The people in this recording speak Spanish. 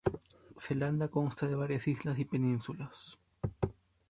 Zelanda consta de varias islas y penínsulas.